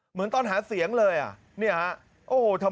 สมัยไม่เรียกหวังผม